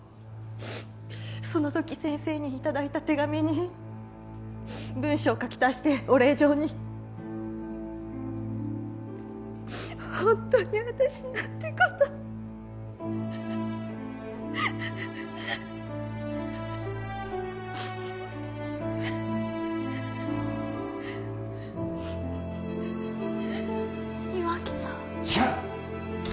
その時先生にいただいた手紙に文章を書き足してお礼状にホントに私何てことを岩城さん違う！